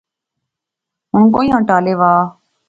ہن کوئیاں ٹالے وہا